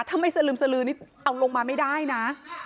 ถ้าไม่สลึมสลือนี่เอาลงมาไม่ได้นะ